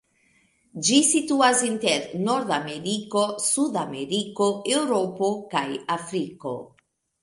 Ĝi situas inter Nordameriko, Sudameriko, Eŭropo kaj Afriko.